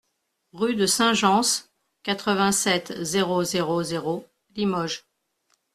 Rue de Saint Gence, quatre-vingt-sept, zéro zéro zéro Limoges